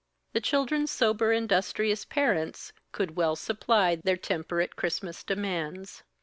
The children's sober industrious parents could well supply their temperate Christmas demands.